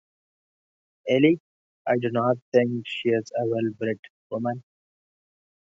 Elle, I do not think she is a well-bred woman.